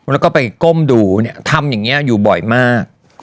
แล้วก็ไปก้มดูเนี่ยทำอย่างนี้อยู่บ่อยมาก